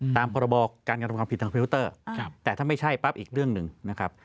ตามพั่อระบอกการกระทรวงผิดตังค์พิวเตอร์แต่ถ้าไม่ใช่ป้ับอีกเรื่องหนึ่งนะครับ